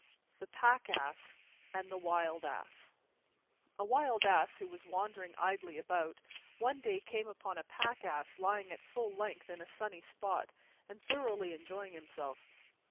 THE PACK ASS AND THE WILD ASS A Wild Ass, who was wandering idly about, one day came upon a Pack Ass lying at full length in a sunny spot and thoroughly enjoying himself.